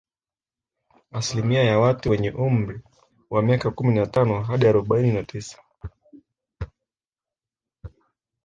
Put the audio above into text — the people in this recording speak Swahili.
Asilimia ya watu wenye umri wa miaka kumi na tano hadi arobaini na tisa